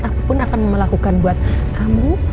aku pun akan melakukan buat kamu